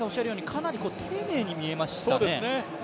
かなり丁寧に見えましたね。